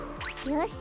よし！